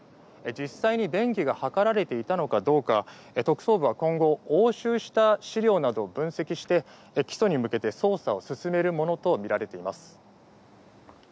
実際に便宜が図られていたのかどうか特捜部は今後、押収した資料などを分析して、起訴に向けて捜査を進めるものとみられています。